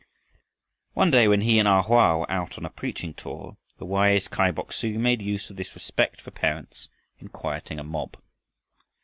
One day when he and A Hoa were out on a preaching tour, the wise Kai Bok su made use of this respect for parents in quieting a mob.